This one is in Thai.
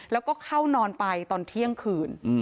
แล้วก็เข้านอนไปตอนเที่ยงคืน